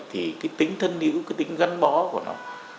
thì cái tính thân hữu cái tính gắn bó của nó